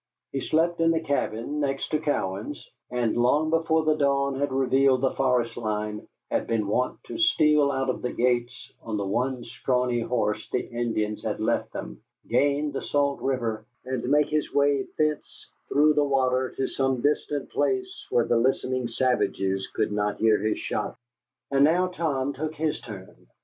He slept in the cabin next to Cowan's, and long before the dawn had revealed the forest line had been wont to steal out of the gates on the one scrawny horse the Indians had left them, gain the Salt River, and make his way thence through the water to some distant place where the listening savages could not hear his shot. And now Tom took his turn.